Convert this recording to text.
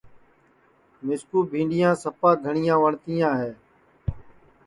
مِسکُو بھینٚڈؔیاں سپا گھٹؔیاں وٹؔتیاں ہے